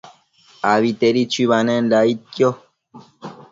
Abitedi chuibanenda aidquio